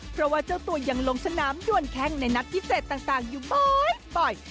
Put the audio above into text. เพราะว่าเจ้าตัวยังลงสนามด่วนแข้งในนัดพิเศษต่างอยู่บ่อย